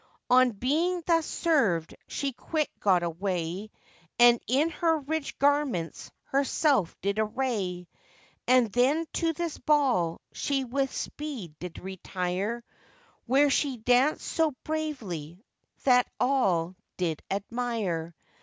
On being thus servèd she quick got away, And in her rich garments herself did array; And then to this ball she with speed did retire, Where she dancèd so bravely that all did admire.